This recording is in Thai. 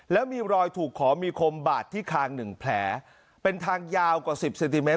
แล้วมีรอยถูกขอมีคมบาดที่คางหนึ่งแผลเป็นทางยาวกว่าสิบเซนติเมต